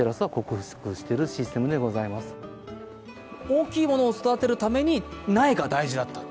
大きいものを育てるために苗が大事だと。